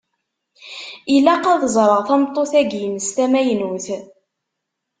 Ilaq ad ẓreɣ tameṭṭut-agi-ines tamaynut.